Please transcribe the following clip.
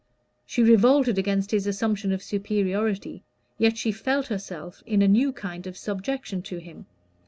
She revolted against his assumption of superiority, yet she felt herself in a new kind of subjection to him.